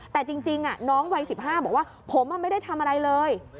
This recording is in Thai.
แต่จริงน้องวัย๑๕บอกว่าผมไม่ได้ทำอะไรเลย